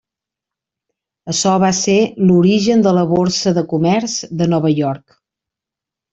Açò va ser l'origen de la Borsa de Comerç de Nova York.